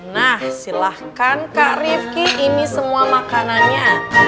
nah silahkan kak rivki ini semua makanannya